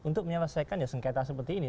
untuk menyelesaikan ya sengketa seperti ini